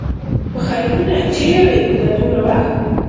پخيرونو! چېرې وې دا دومره وخت؟